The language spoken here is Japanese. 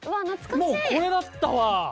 もうこれだったわ。